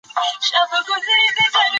تغیر په هر څه کي راځي خو په جهالت کي نه.